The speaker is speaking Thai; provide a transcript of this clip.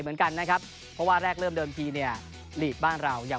เหมือนกันนะครับเพราะว่าแรกเริ่มเดิมทีเนี่ยหลีกบ้านเรายัง